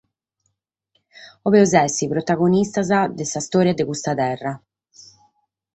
Cherimus èssere protagonistas de s'istòria de custa terra.